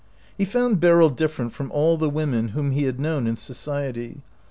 He found Beryl different from all the women whom he had known in society.